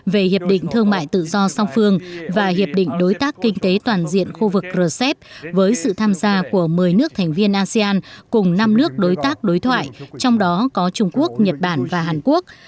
về hiệp định thương mại tự do song phương và hiệp định đối tác kinh tế toàn diện khu vực rcep với sự tham gia của một mươi nước thành viên asean cùng năm nước đối tác đối thoại trong đó có trung quốc nhật bản và hàn quốc